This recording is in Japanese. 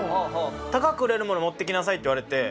高く売れるものを持って来なさいって言われて。